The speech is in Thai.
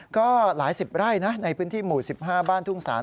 ก็หลายสิบไร่นะในพื้นที่หมู่๑๕บ้านทุ่งศาล